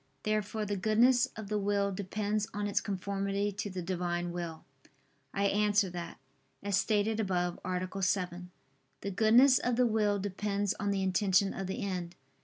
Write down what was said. Therefore the goodness of the will depends on its conformity to the Divine will. I answer that, As stated above (A. 7), the goodness of the will depends on the intention of the end.